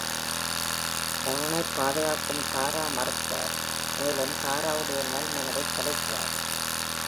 Dawn-ஐப் பாதுகாக்கும் தாரா மறுக்கிறார், மேலும் தாராவுடைய நல் மனதைக் கலைக்கிறார்.